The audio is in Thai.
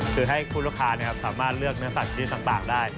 คือให้คุณลูกค้าสามารถเลือกเนื้อสัตว์ชนิดต่างได้